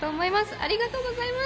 ありがとうございます。